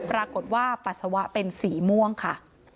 ปรากฏว่าปัสสาวะเป็นสีม่วงค่ะ